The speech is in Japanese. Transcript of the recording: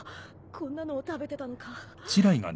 こんなのを食べてたのか？